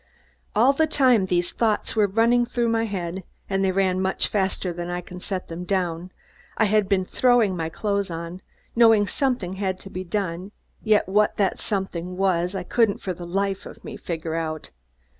All the time these thoughts were running through my head and they ran much faster than I can set them down I had been throwing my clothes on, knowing something had to be done, yet what that something was I couldn't for the life of me figure out.